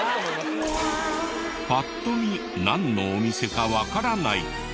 パッと見なんのお店かわからない。